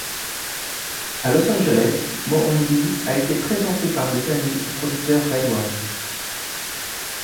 À Los Angeles, Mohombi a été présenté par des amis au producteur RedOne.